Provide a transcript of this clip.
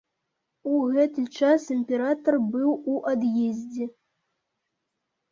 У гэты час імператар быў у ад'ездзе.